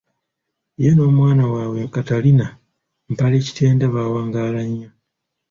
Ye n'omwana waaweo Katarina Mpaalikitenda baawangaala nnyo.